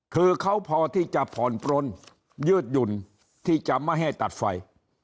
คือเขาพอที่จะผ่อนปลนยืดหยุ่นที่จะไม่ให้ตัดไฟ